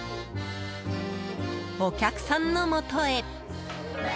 お客さんのもとへ。